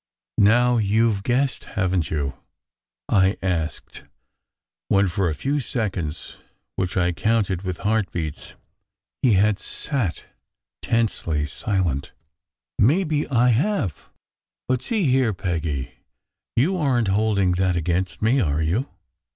"Now you ve guessed, haven t you?" I asked, when for 132 SECRET HISTORY 133 a few seconds, which I counted with heartbeats, he had sat tensely silent. "Maybe I have. But see here, Peggy, you aren t hold ing that against me, are you?